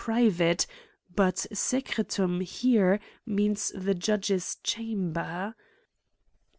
231 private ; but secretiim here means the Judge's chamber.